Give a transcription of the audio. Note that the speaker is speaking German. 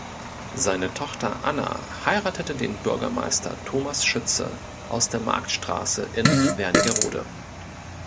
Seine Tochter Anna heiratete den Bürgermeister Thomas Schütze aus der Marktstraße in Wernigerode.